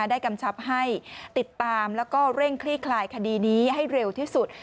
กำชับให้ติดตามแล้วก็เร่งคลี่คลายคดีนี้ให้เร็วที่สุด